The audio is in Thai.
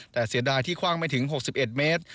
แต่เสียดายที่คว่างไม่ถึง๖๑เมตร